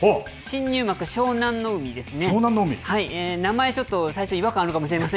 新入幕、湘南乃海ですね。